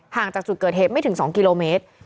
จากจุดเกิดเหตุไม่ถึง๒กิโลเมตร